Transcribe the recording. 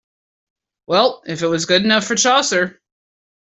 Well, if it was good enough for Chaucer.